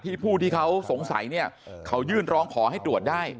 ผู้ที่เขาสงสัยเนี่ยเขายื่นร้องขอให้ตรวจได้